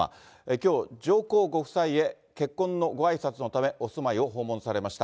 きょう、上皇ご夫妻へ結婚のごあいさつのため、お住まいを訪問されました。